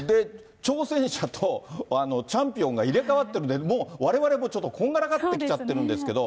挑戦者とチャンピオンが入れ替わってるんで、もう、われわれもちょっとこんがらがってきちゃってるんですけども。